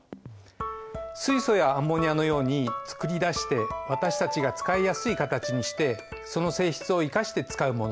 水素やアンモニアのようにつくり出して私たちが使いやすい形にしてその性質を生かして使うもの。